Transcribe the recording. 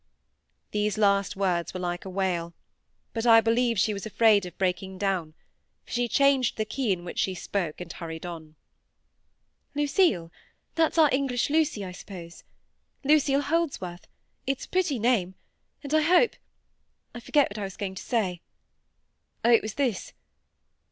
These last words were like a wail; but I believe she was afraid of breaking down, for she changed the key in which she spoke, and hurried on. "Lucille—that's our English Lucy, I suppose? Lucille Holdsworth! It's a pretty name; and I hope—I forget what I was going to say. Oh! it was this.